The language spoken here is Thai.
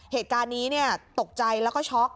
เหตุการณ์นี้ตกใจแล้วก็ช็อก